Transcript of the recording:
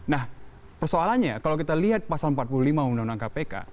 nah persoalannya kalau kita lihat pasal empat puluh lima undang undang kpk